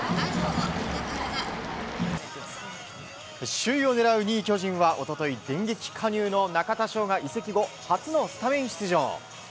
首位を狙う２位、巨人は一昨日、電撃加入の中田翔が移籍後初のスタメン出場。